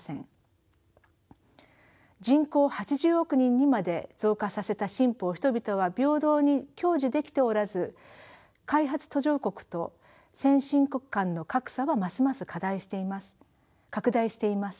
人口を８０億人にまで増加させた進歩を人々は平等に享受できておらず開発途上国と先進国間の格差はますます拡大しています。